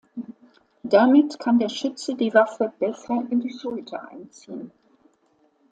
Damit kann der Schütze die Waffe besser in die Schulter einziehen.